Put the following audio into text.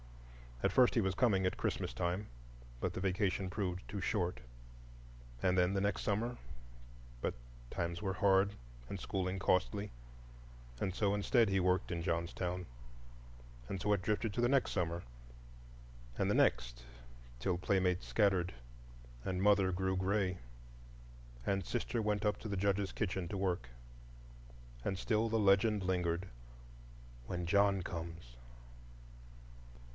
At first he was coming at Christmas time,—but the vacation proved too short; and then, the next summer,—but times were hard and schooling costly, and so, instead, he worked in Johnstown. And so it drifted to the next summer, and the next,—till playmates scattered, and mother grew gray, and sister went up to the Judge's kitchen to work. And still the legend lingered,—"When John comes."